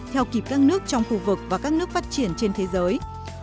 theo kịp các nước trong khu vực và các nước phát triển trên thế giới